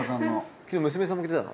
昨日娘さんも来てたの？